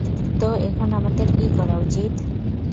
তো এখন আমাদের কী করা উচিত?